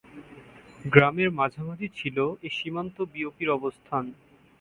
গ্রামের মাঝামাঝি ছিল এ সীমান্ত বিওপি’র অবস্থান।